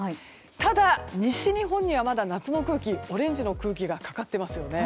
ただ、西日本にはまだ夏の空気オレンジの空気がかかっていますよね。